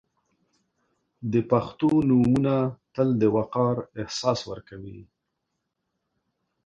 • د پښتو نومونه تل د وقار احساس ورکوي.